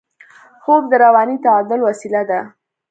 خوب د رواني تعادل وسیله ده